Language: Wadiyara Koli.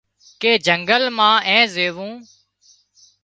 ڪي جنگل مان اين زويوون